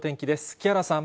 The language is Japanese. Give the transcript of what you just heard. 木原さん。